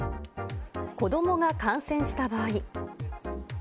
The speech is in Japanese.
子どもが感染した場合。